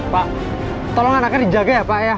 pak tolong anaknya dijaga ya pak ya